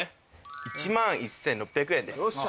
１万１，６００円です。